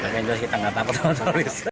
kita enggak takut sama polis